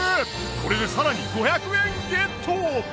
これで更に５００円ゲット。